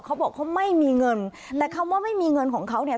เขาบอกเขาไม่มีเงินแต่คำว่าไม่มีเงินของเขาเนี่ย